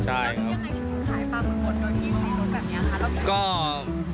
ใช่ครับแล้วนี่ยังไงคุณขายปลาหมูบดโดยที่ใช้รถแบบเนี้ยค่ะแล้วเป็นไง